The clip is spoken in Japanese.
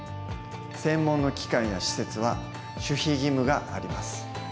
専門の機関や施設は守秘義務があります。